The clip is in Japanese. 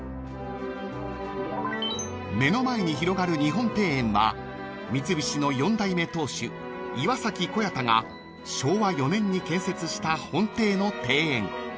［目の前に広がる日本庭園は三菱の４代目当主岩崎小彌太が昭和４年に建設した本邸の庭園］